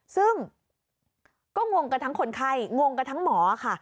ซึ่งก็งงกันทั้งคนไข้งงกันทั้งหมอค่ะ